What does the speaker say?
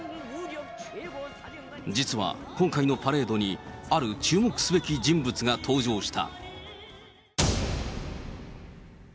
実は今回のパレードにある注目すべき人物が登場した。